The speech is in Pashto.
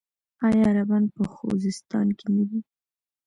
آیا عربان په خوزستان کې نه دي؟